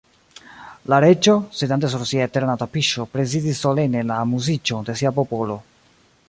La Reĝo, sidante sur sia eterna tapiŝo, prezidis solene la amuziĝon de sia popolo.